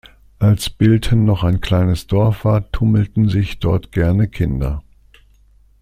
Als Bilten noch ein kleines Dorf war, tummelten sich dort gerne Kinder.